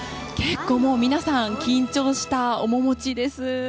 皆さん、緊張した面持ちです。